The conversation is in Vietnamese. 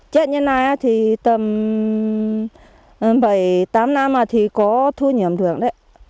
chết như thế này thì tầm bảy tám năm thì có thu nhập được đấy